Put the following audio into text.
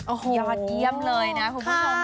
โอ้โหยอดเยี่ยมเลยนะคุณผู้ชม